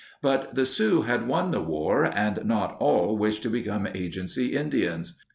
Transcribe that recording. But the Sioux had won the war, and not all wished to become agency Indians.